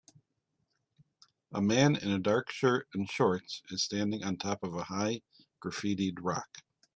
A man in a dark shirt and shorts is standing on top of a high graffitied rock.